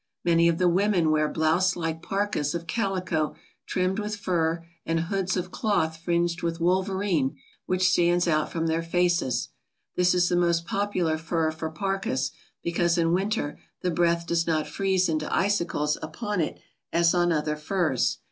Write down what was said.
Many of the women wear blouse like parkas of calico trimmed with fur and hoods of cloth fringed with wolverine which stands out from their faces This is the most popular fur for parkas, because in winter the breath does not freeze into icicles upon it as on other furs.